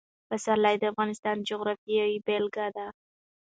پسرلی د افغانستان د جغرافیې بېلګه ده.